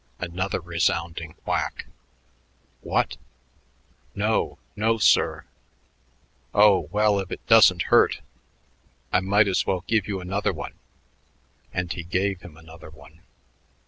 Another resounding whack. "What?" "No no, sir." "Oh, well, if it doesn't hurt, I might as well give you another one." And he gave him another one.